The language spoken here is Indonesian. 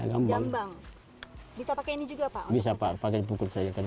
hai yang bang bisa pakai ini juga pak bisa pak pakai buku saya kan waktu